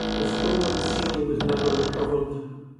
The stolen seal was never recovered.